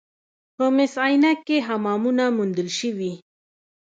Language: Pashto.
په مس عینک کې حمامونه موندل شوي